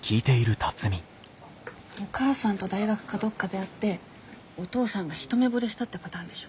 お母さんと大学かどっかで会ってお父さんが一目ぼれしたってパターンでしょ？